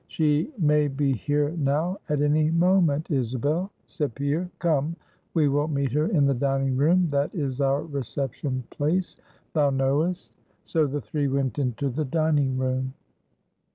"She may be here, now, at any moment, Isabel," said Pierre; "come, we will meet her in the dining room; that is our reception place, thou knowest." So the three went into the dining room.